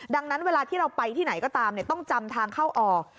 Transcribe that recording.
ดังนั้นเวลาที่เราไปที่ไหนก็ตามต้องจำทางเข้าออก